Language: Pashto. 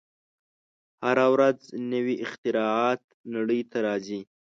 هره ورځ نوې اختراعات نړۍ ته راځي.